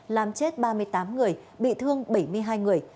làm chết ba mươi tám người bị thương bảy mươi hai người